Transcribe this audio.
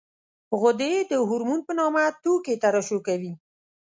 غدې د هورمون په نامه توکي ترشح کوي.